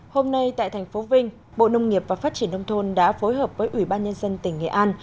hôm nay tại thành phố vinh bộ nông nghiệp và phát triển nông thôn đã phối hợp với ủy ban nhân dân tỉnh nghệ an